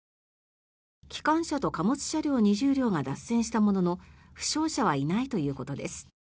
機関車と貨物車両２０両が脱線したものの負傷者はいないということです。